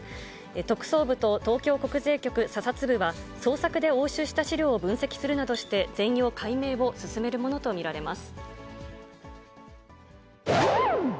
特捜部と東京国税局査察部は、捜索で押収した資料を分析するなどして、全容解明を進めるものと見られます。